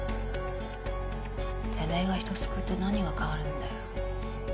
てめぇが人救って何が変わるんだよ。